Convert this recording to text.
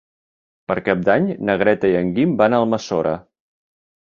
Per Cap d'Any na Greta i en Guim van a Almassora.